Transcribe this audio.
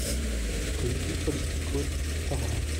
Rue Hippolyte Côte, Tarare